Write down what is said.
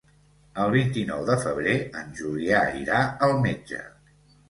El vint-i-nou de febrer en Julià irà al metge.